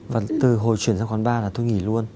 và từ hồi chuyển sang quán ba là thôi nghỉ luôn